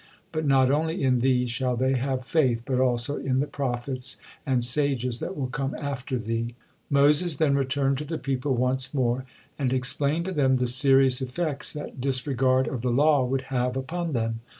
But not only in thee shall they have faith, but also in the prophets and sages that will come after thee." Moses then returned to the people once more, and explained to them the serious effects that disregard of the law would have upon them.